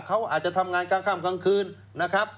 เขาอาจจะทำงานกลางค่ำกลางคืนนะครับ